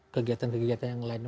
kegiatan kegiatan yang lain